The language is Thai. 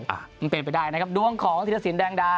มันเป็นไปได้นะครับดวงของธิรสินแดงดา